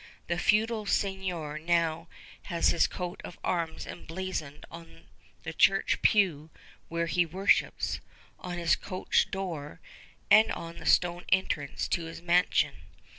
The feudal seignior now has his coat of arms emblazoned on the church pew where he worships, on his coach door, and on the stone entrance to his mansion.